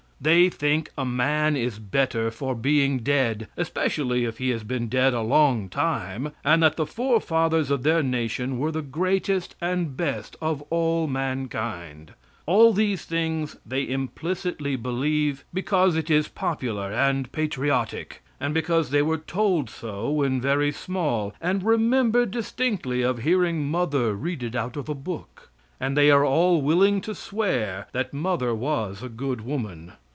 They think a man is better for being dead, especially if he has been dead a long time, and that the forefathers of their nation were the greatest and best of all mankind. All these things they implicitly believe because it is popular and patriotic, and because they were told so when very small, and remember distinctly of hearing mother read it out of a book, and they are all willing to swear that mother was a good woman.